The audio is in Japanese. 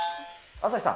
朝日さん。